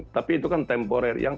tapi itu kan temporer